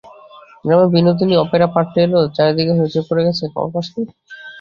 গ্রামে Binodini opera party এল, চারিদিকে হৈচৈ পড়ে গেছে, খবর পাসনি?